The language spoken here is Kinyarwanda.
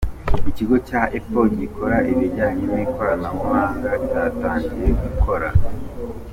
Ikigo cya Apple gikora ibijyanye n’ikoranabuhanga cyatangiye gukora.